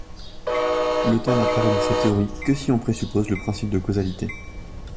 Le temps n'apparaît dans ces théories que si on présuppose le principe de causalité.